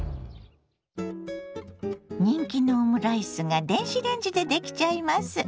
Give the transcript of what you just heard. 人気のオムライスが電子レンジでできちゃいます。